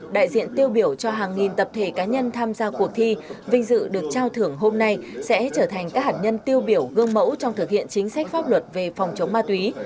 đại diện tiêu biểu cho hàng nghìn tập thể cá nhân tham gia cuộc thi vinh dự được trao thưởng hôm nay sẽ trở thành các hạt nhân tiêu biểu gương mẫu trong thực hiện chính sách pháp luật về phòng chống ma túy